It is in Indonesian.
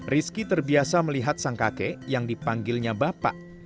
rizky terbiasa melihat sang kakek yang dipanggilnya bapak